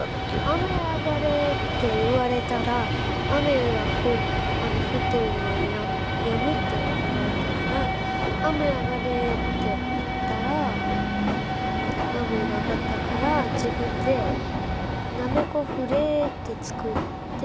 雨上がれって言われたら雨が降っているのがやむって言われたから「雨上がれ」って言ったら雨が上がったから自分で「なめこ降れ」って作って。